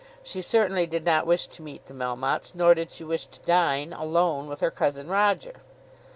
She certainly did not wish to meet the Melmottes, nor did she wish to dine, alone, with her cousin Roger.